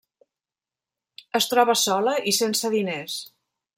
Es troba sola i sense diners.